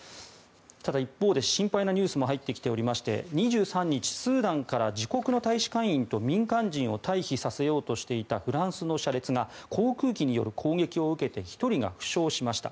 ただ、一方で心配なニュースも入ってきておりまして２３日、スーダンから自国の大使館員と民間人を退避させようとしていたフランスの車列が航空機による攻撃を受けて１人が負傷しました。